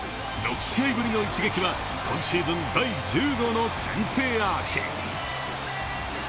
６試合ぶりの一撃は今シーズン第１０号の先制アーチ。